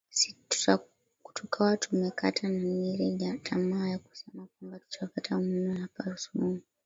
si tukawa tumekata na niri tamaa ya kusema kwamba tutapata umeme hapa suuma